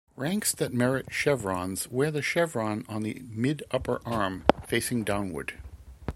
Ranks that merit chevrons wear the chevron on the mid-upper arm, facing downward.